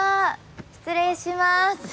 失礼します。